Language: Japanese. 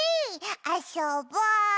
あそぼ！